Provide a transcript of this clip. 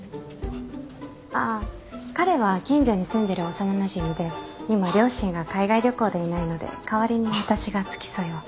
あ彼は近所に住んでる幼なじみで今両親が海外旅行でいないので代わりに私が付き添いを。